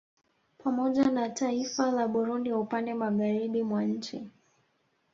Pamoja na taiifa la Burundi upande Magharibi mwa nchi